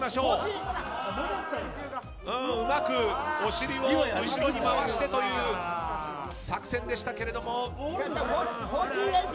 うまくお尻を後ろに回してという作戦でしたけれども。